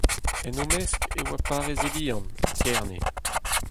En o mesk e oa parrez Eliant, e Kerne.